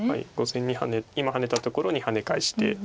５線に今ハネたところにハネ返して。